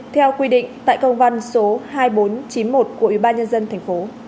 theo quy định tại công văn số hai nghìn bốn trăm chín mươi một của ủy ban nhân dân thành phố